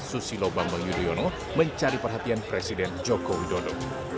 susilo bambang yudhoyono mencari perhatian presiden joko widodo